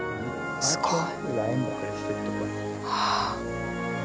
すごい。